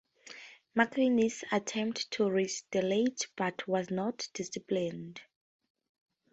McInnis attempted to retaliate but was not disciplined.